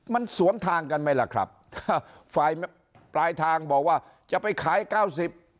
มันสวนทางกันไหมล่ะครับถ้าฝ่ายปลายทางบอกว่าจะไปขายเก้าสิบ